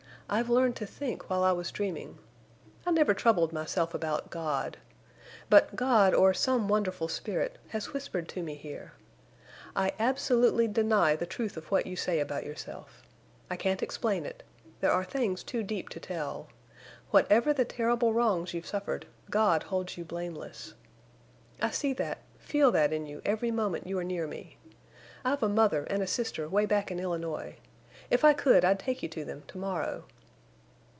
I've learned to think while I was dreaming. I never troubled myself about God. But God, or some wonderful spirit, has whispered to me here. I absolutely deny the truth of what you say about yourself. I can't explain it. There are things too deep to tell. Whatever the terrible wrongs you've suffered, God holds you blameless. I see that—feel that in you every moment you are near me. I've a mother and a sister 'way back in Illinois. If I could I'd take you to them—to morrow."